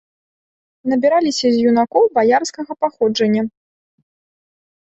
Набіраліся з юнакоў баярскага паходжання.